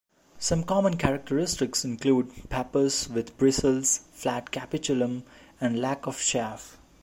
Some common characteristics include pappus with bristles, flat capitulum, and lack of chaff.